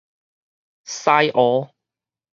西湖